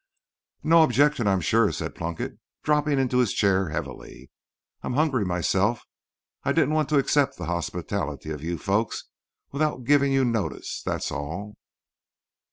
"No objections, I'm sure," said Plunkett, dropping into his chair heavily. "I'm hungry myself. I didn't want to accept the hospitality of you folks without giving you notice; that's all."